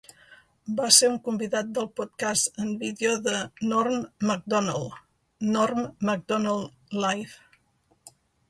Va ser un convidat del podcast en vídeo de Norm Macdonald, "Norm Macdonald Live".